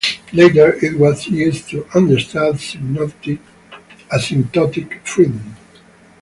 Later it was used to understand asymptotic freedom.